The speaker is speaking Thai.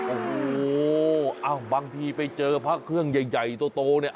โอ้โฮอ้าวบางทีไปเจอพักเครื่องใหญ่โตนี่